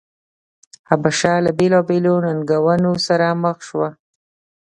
حبشه له بېلابېلو ننګونو سره مخ شوه.